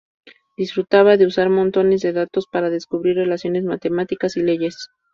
Disfrutaba de usar montones de datos para descubrir relaciones matemáticas y leyes.